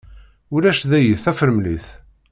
Ulac dayi tafremlit.